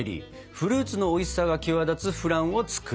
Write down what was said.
フルーツのおいしさが際立つフランを作ります！